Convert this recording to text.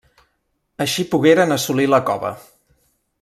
Així pogueren assolir la cova.